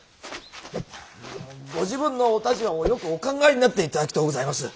ご自分のお立場をよくお考えになっていただきとうございます！